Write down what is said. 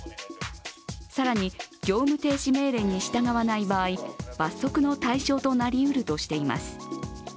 更に業務停止命令に従わない場合罰則の対象になりうるとしています。